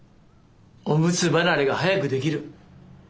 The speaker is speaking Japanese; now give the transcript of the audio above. オムツ離れが早くできる。